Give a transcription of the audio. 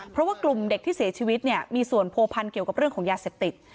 เพราะว่ากลุ่มเด็กที่เสียชีวิตเนี่ยมีส่วนผัวพันธ์เกี่ยวกับเรื่องของยาเสพติด